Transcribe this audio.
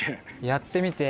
やってみて。